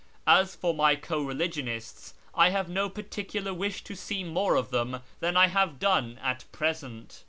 As for my co religionists, I have no particular wish to see more of them than I have done at present.